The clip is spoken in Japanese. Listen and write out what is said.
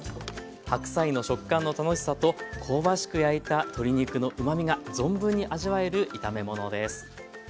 白菜の食感の楽しさと香ばしく焼いた鶏肉のうまみが存分に味わえる炒め物です。